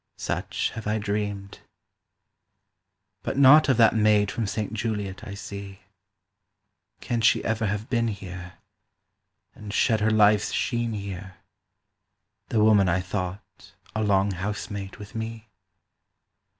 Such have I dreamed. But nought of that maid from Saint Juliot I see; Can she ever have been here, And shed her life's sheen here, The woman I thought a long housemate with me?